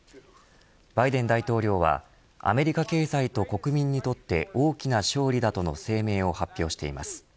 バイデン大統領はアメリカ経済と国民にとって大きな勝利だとの声明を発表しています。